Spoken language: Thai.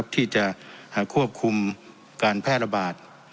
ที่จะควบคุมการแพร่ระบาด